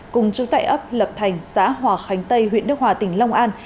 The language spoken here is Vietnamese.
cùng chú tại ấp lập thành xã hòa khánh tây huyện đức hòa tỉnh long an